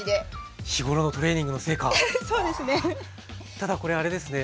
ただこれあれですね。